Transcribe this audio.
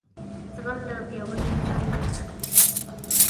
زغم دپیاوړي انسان نښه ده